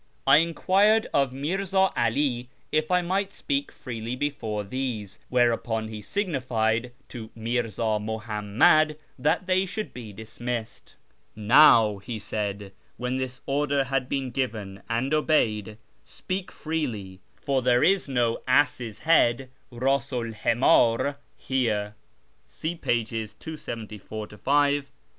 I enquired of Mirza 'All if I might speak freely before these, whereupon he signified to Mirza Muhammad that they should be dismissed. " Xow," he said, when this order had been given and obeyed, " speak freely, for there is no ' ass's head ' (rdsu 'l himdr •*) here."